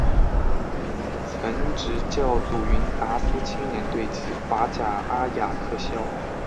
曾执教祖云达斯青年队及法甲阿雅克肖。